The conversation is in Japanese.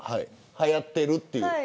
はやってるっていう。